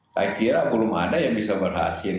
saya kira belum ada yang bisa berhasil